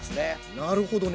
なるほどね。